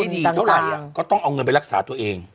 ดีเท่าไหร่ก็ต้องเอาเงินไปรักษาตัวเอง